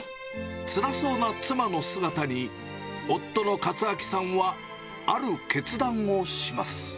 つらそうな妻の姿に、夫の勝亮さんは、ある決断をします。